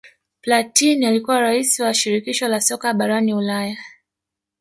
platin alikuwa rais wa shirikisho la soka barani Ulaya